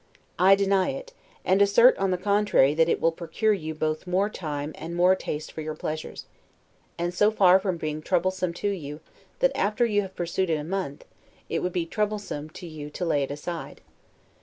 I deny it; and assert, on the contrary, that it will procure you both more time and more taste for your pleasures; and, so far from being troublesome to you, that after you have pursued it a month, it would be troublesome to you to lay it aside.